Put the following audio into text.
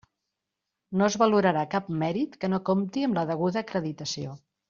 No es valorarà cap mèrit que no compti amb la deguda acreditació.